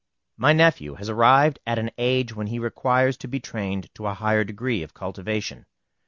My nephew has arrived at an age when he requires to be trained to a higher degree of cultivation.